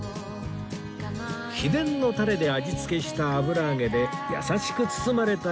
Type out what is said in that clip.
秘伝のタレで味付けした油揚げで優しく包まれた